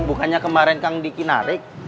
bukannya kemarin kang diki narik